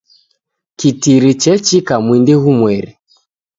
Kitiri chechika mwindi ghumweri.